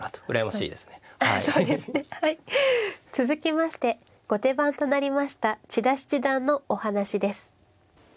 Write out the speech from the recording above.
続きまして後手番となりました千田七段のお話です。